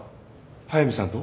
速見さんと？